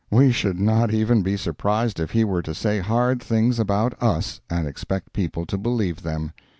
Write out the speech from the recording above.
We should not even be surprised if he were to say hard things about us, and expect people to believe them.